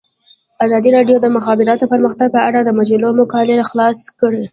ازادي راډیو د د مخابراتو پرمختګ په اړه د مجلو مقالو خلاصه کړې.